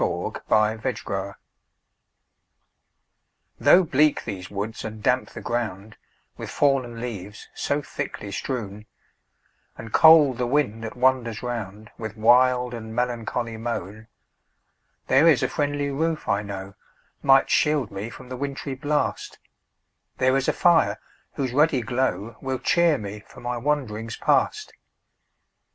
THE CONSOLATION. Though bleak these woods, and damp the ground With fallen leaves so thickly strown, And cold the wind that wanders round With wild and melancholy moan; There IS a friendly roof, I know, Might shield me from the wintry blast; There is a fire, whose ruddy glow Will cheer me for my wanderings past.